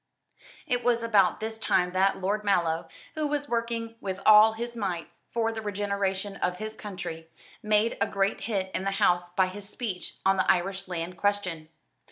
It was about this time that Lord Mallow, who was working with all his might for the regeneration of his country, made a great hit in the House by his speech on the Irish land question.